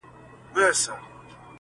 خراب خراب دي کړم چپه دي کړمه,